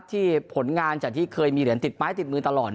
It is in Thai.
ผลงานจากที่เคยมีเหรียญติดไม้ติดมือตลอด